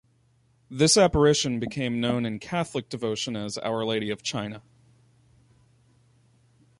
This apparition became known in Catholic devotion as Our Lady of China.